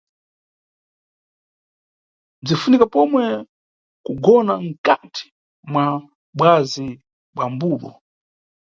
Bzinʼfunika pomwe kugona nkati mwa bwazi bwa mbudu.